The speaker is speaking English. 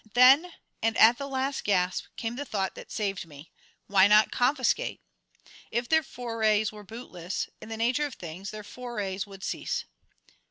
Then, and at the last gasp, came the thought that saved me: Why not confiscate? If their forays were bootless, in the nature of things their forays would cease.